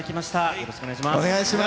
よろしくお願いします。